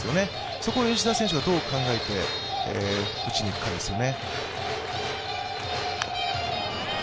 そこを吉田選手がどう考えて打ちに行くかですよね。